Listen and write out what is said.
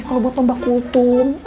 kalo buat tombak kutum